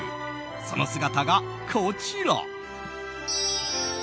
その姿がこちら。